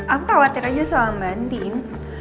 aku khawatir aja soal mbak andin